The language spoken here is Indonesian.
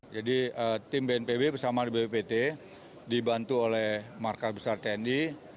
jadi tim bnpb bersama bppt dibantu oleh markas besar tni